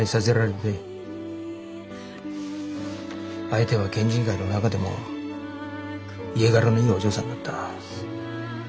相手は県人会の中でも家柄のいいお嬢さんだった。